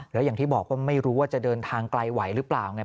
แล้วอย่างที่บอกว่าไม่รู้ว่าจะเดินทางไกลไหวหรือเปล่าไง